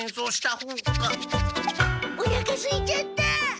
おなかすいちゃった！